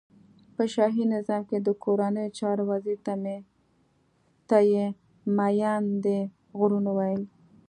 په شاهی نظام کی د کورنیو چارو وزیر ته یی مین د غرونو ویل.